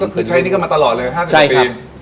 ก็คือใช้นี่ก็มาตลอดเลย๕๐กว่าปี